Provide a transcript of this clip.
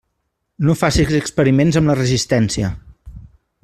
No facis experiments amb la resistència.